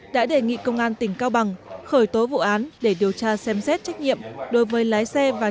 đã đề nghị công an tỉnh cao bằng khởi tố vụ án để điều tra xem xét trách nhiệm đối với lái xe và